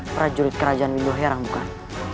prajurit kerajaan windu herang bukan